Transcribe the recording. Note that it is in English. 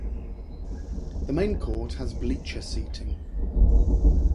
The main court has bleacher seating.